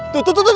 tuh tuh tuh tuh